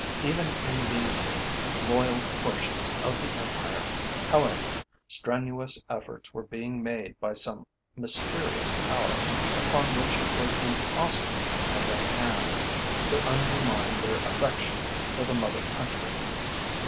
Even in these loyal portions of the Empire, however, strenuous efforts were being made by some mysterious power, upon which it was impossible to lay hands, to undermine their affection for the mother country.